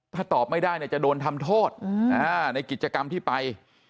ถ้าตอบไม่ได้จะโดนทำโทษในกิจกรรมที่ไป